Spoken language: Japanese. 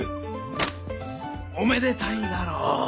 おめでたいだろう？